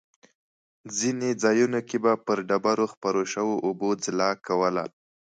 ځینې ځایونو کې به پر ډبرو خپرو شوو اوبو ځلا کوله.